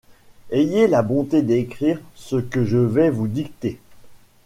Ayez la bonté d’écrire ce que je vais vous dicter.